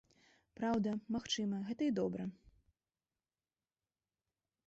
Праўда, магчыма, гэта і добра.